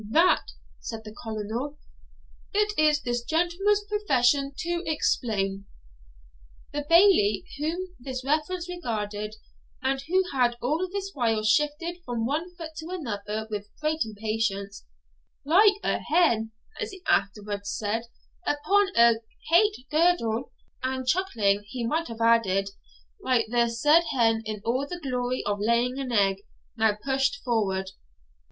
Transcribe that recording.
'That,' said the Colonel, 'it is this gentleman's profession to explain.' The Bailie, whom this reference regarded, and who had all this while shifted from one foot to another with great impatience, 'like a hen,' as he afterwards said, 'upon a het girdle'; and chuckling, he might have added, like the said hen in all the glory of laying an egg, now pushed forward.